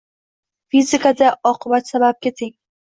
Fizikada oqibat sababga teng